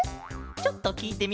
ちょっときいてみるケロ！